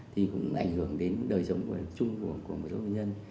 thì cũng ảnh hưởng đến đời sống của chúng của một số nhân dân